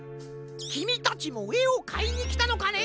きみたちもえをかいにきたのかね？